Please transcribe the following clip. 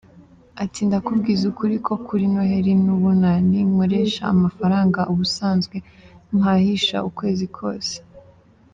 Ati “Ndakubwiza ukuri ko kuri Noheli n’Ubunani nkoresha amafaranga ubusanzwe mpahisha ukwezi kose.